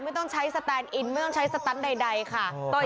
ไม่ต้องใช้สแตนอินไม่ต้องใช้สตันใดค่ะ